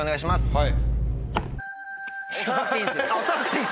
はい。